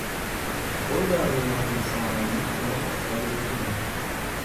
toda a minha atenção analítica não consegue definir.